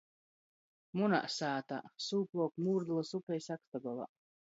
Munā sātā, sūpluok Mūrdulys upei Sakstagolā.